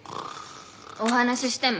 お話ししても？